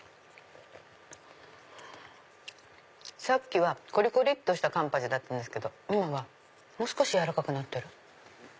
さっきはコリコリっとしたカンパチだったんですけど今はもう少し軟らかくなってる。